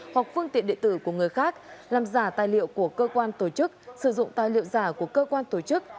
hoặc phương tiện địa tử của người khác làm giả tài liệu của cơ quan tổ chức sử dụng tài liệu giả của cơ quan tổ chức